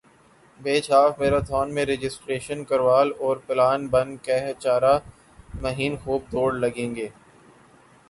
بیچ half marathon میں registration کروال اور پلان بن کہہ چارہ مہین خوب دوڑ لگ گے